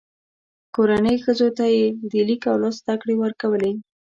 کورنۍ ښځو ته یې د لیک او لوست زده کړې ورکولې.